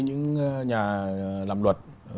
những nhà làm luật